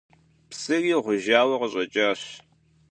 Псыри гъужауэ къыщӏэкӏащ.